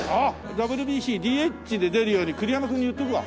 ＷＢＣＤＨで出るように栗山君に言っておくわ。